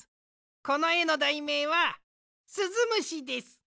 このえのだいめいは「すずむし」です。